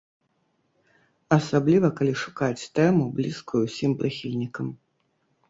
Асабліва калі шукаць тэму, блізкую ўсім прыхільнікам.